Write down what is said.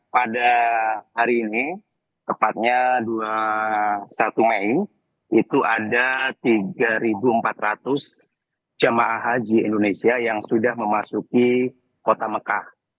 pada hari ini tepatnya dua puluh satu mei itu ada tiga empat ratus jemaah haji indonesia yang sudah memasuki kota mekah